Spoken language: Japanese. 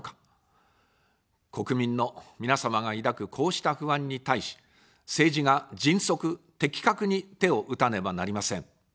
国民の皆様が抱くこうした不安に対し、政治が迅速、的確に手を打たねばなりません。